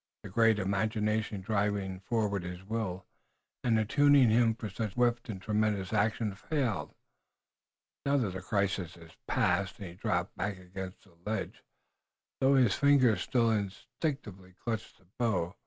The great imagination driving forward his will, and attuning him for such swift and tremendous action, failed, now that the crisis had passed, and he dropped back against the ledge, though his fingers still instinctively clutched the bow.